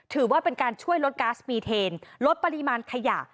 ถือว่าเป็นการช่วยลดก๊าซปีเทนลดปริมาณขยะ